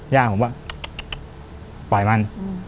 ย่าผมว่าปล่อยมัน